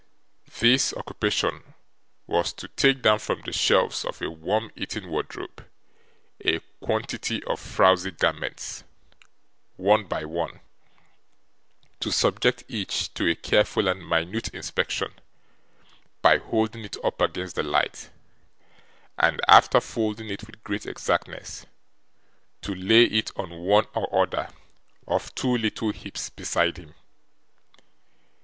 This occupation was, to take down from the shelves of a worm eaten wardrobe a quantity of frouzy garments, one by one; to subject each to a careful and minute inspection by holding it up against the light, and after folding it with great exactness, to lay it on one or other of two little heaps beside him.